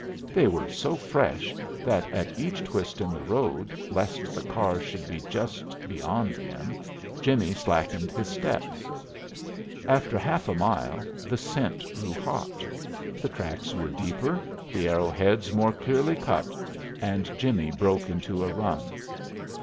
They were so fresh that at each twist in the road, lest the car should be just beyond him, Jimmie slackened his steps. After half a mile the scent grew hot. The tracks were deeper, the arrow heads more clearly cut, and Jimmie broke into a run.